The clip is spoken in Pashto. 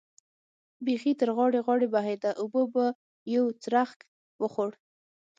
بېخي تر غاړې غاړې بهېده، اوبو به یو څرخک وخوړ.